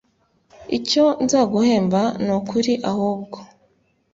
icyo nzaguhemba nukuriahubwo